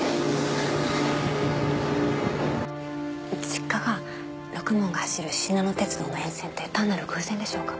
実家がろくもんが走るしなの鉄道の沿線って単なる偶然でしょうか？